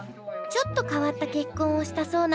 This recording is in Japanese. ちょっと変わった結婚をしたそうなんです。